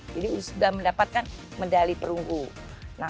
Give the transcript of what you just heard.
jadi sudah mendapatkan medali tersebut